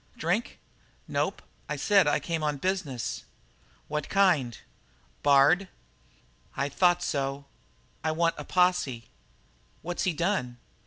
"Drink?" "Nope. I said I came on business." "What kind?" "Bard." "I thought so." "I want a posse." "What's he done?"